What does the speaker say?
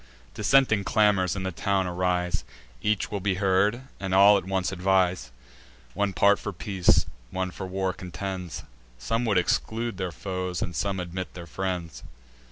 Dissenting clamours in the town arise; Each will be heard, and all at once advise. One part for peace, and one for war contends; Some would exclude their foes, and some admit their friends.